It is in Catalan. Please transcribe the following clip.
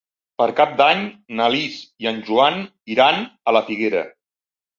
Per Cap d'Any na Lis i en Joan iran a la Figuera.